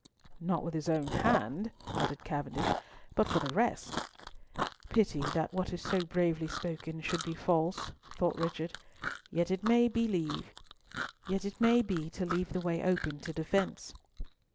"Not with his own hand," muttered Cavendish, "but for the rest—" "Pity that what is so bravely spoken should be false," thought Richard, "yet it may be to leave the way open to defence."